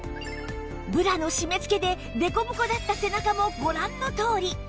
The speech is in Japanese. ブラの締めつけで凸凹だった背中もご覧のとおり